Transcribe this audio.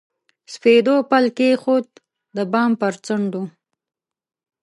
سپېدو پل کښېښود، د بام پر څنډو